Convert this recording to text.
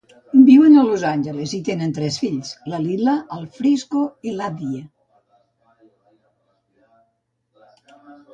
Viuen a Los Angeles i tenen tres fills: la Lila, el Frisco i l'Addie.